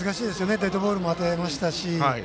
デッドボールも当てましたし。